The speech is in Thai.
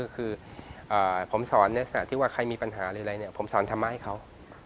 คือผมสอนในลักษณะที่ว่าใครมีปัญหาหรืออะไรเนี่ยผมสอนธรรมะให้เขา